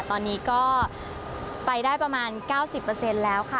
ตอนนี้ก็ไปได้ประมาณ๙๐แล้วค่ะ